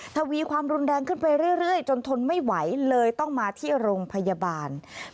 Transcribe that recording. ทวีความรุนแรงขึ้นไปเรื่อยจนทนไม่ไหวเลยต้องมาที่โรงพยาบาล